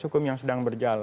hukum yang sedang berjalan